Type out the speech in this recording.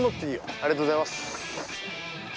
ありがとうございます！